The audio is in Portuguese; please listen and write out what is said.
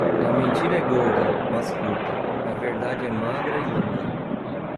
A mentira é gorda, mas curta; A verdade é magra e longa.